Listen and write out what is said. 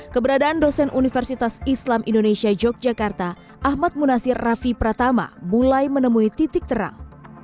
keberadaan dosen universitas islam indonesia yogyakarta ahmad munasir rafi pratama mulai menemui titik terang